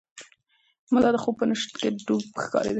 ملا د خوب په نشه کې ډوب ښکارېده.